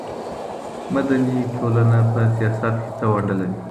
مدني ټولنه په سياست کي څه ونډه لري؟